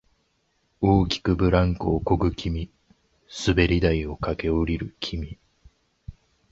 大きくブランコをこぐ君、滑り台を駆け下りる君、